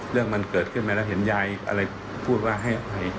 เรื่องมันเกิดขึ้นไปแล้วเห็นยายอะไรพูดว่าให้อภัย